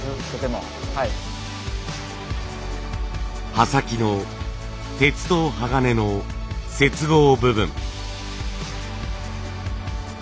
刃先の鉄と鋼の接合部分。